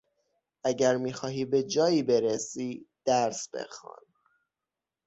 اگر میخواهی به جایی برسی درس بخوان.